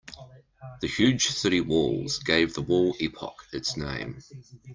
The huge city walls gave the wall epoch its name.